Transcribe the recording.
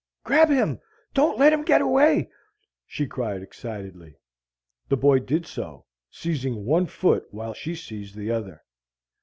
"Grab him! Don't let him get away!" she cried excitedly. The boy did so, seizing one foot while she seized the other.